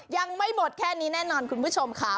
ยังไม่หมดแค่นี้แน่นอนคุณผู้ชมค่ะ